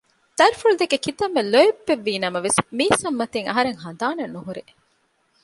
ދަރިފުޅު ދެކެ ކިތަންމެ ލޯތްބެއްވީ ނަމަވެސް މީސަމް މަތިން އަހަރެން ހަނދާނެއް ނުހުރޭ